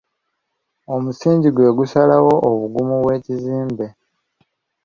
Omusingi gwe gusalawo obugumu bw'ekizimbe.